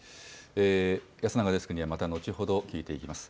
安永デスクにはまた後ほど聞いていきます。